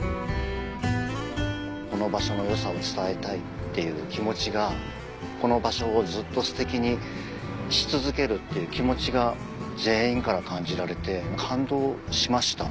この場所の良さを伝えたいっていう気持ちがこの場所をずっとステキにし続けるっていう気持ちが全員から感じられて感動しました。